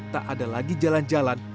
tak ada lagi jalan jalan